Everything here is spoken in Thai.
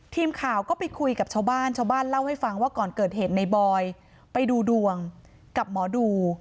ทีมข่าวก็ไปคุยกับชาวบ้านชาวบ้านเล่าให้ฟังว่าก่อนเกิดเหตุในบอยไปดูดวงกับหมอดู